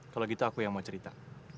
kalau gitu aku yang mau cerita